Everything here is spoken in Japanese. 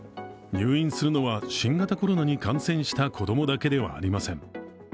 入院するのは、新型コロナに感染した子どもだけではありません。